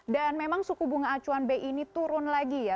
dan memang suku bunga acuan bi ini turun lagi ya